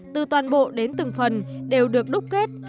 từ toàn bộ đến từng phần đều được đúc kết